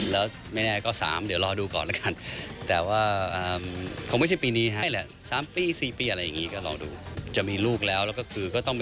แล้วไม่แน่ก็๓เดี๋ยวรอดูก่อนแล้วกัน